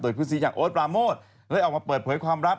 โดยภูมิสีจากโอ๊ดปราโมทเลยออกมาเปิดเผยความลับ